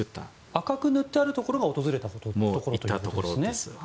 赤く塗ってあるところが訪れたところですね。